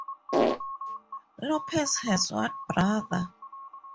Lopez has one brother.